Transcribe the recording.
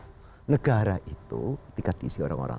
pertama tama negara itu tidak bisa diisi orang orang